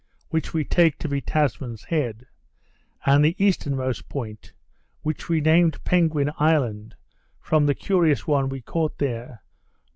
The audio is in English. (which we take to be Tasman's Head), and the easternmost point (which we named Penguin Island, from a curious one we caught there) N.E.